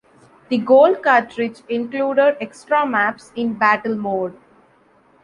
The gold cartridge included extra maps in battle mode.